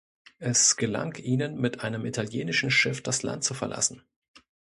Es gelang ihnen, mit einem italienischen Schiff das Land zu verlassen.